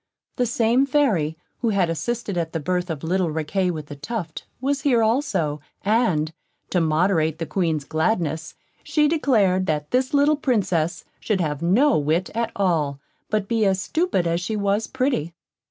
The same Fairy, who had assisted at the birth of little Riquet with the Tuft, was here also; and, to moderate the Queen's gladness, she declared, that this little Princess should have no wit at all, but be as stupid as she was pretty.